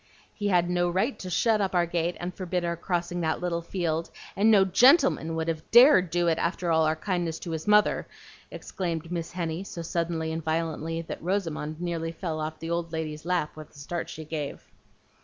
"He had no right to shut up our gate and forbid our crossing that little field, and no GENTLEMAN would have DARED to do it after all our kindness to his mother," exclaimed Miss Henny, so suddenly and violently that Rosamond nearly fell off the old lady's lap with the start she gave.